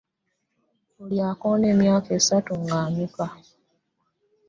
Buli akoona emyaka asatu ng'annyuka.